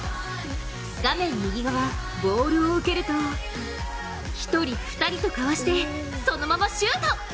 画面右側、ボールを受けると１人、２人とかわしてそのままシュート！